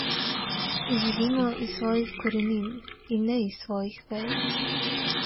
Živimo iz svojih korenin in ne iz svojih vej.